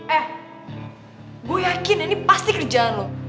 eh gue yakin ini pasti kerjaan lo